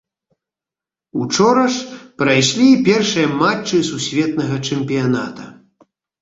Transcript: Учора ж прайшлі першыя матчы сусветнага чэмпіяната.